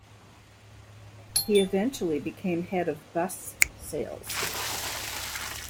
He eventually became head of bus sales.